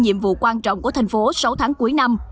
nhiệm vụ quan trọng của thành phố sáu tháng cuối năm